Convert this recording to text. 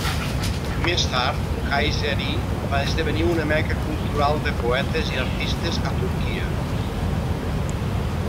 Més tard, Kayseri va esdevenir una meca cultural de poetes i artistes a Turquia.